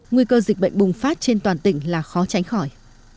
nguy cơ dịch bệnh bùng phát trên toàn tỉnh là khó tránh khỏi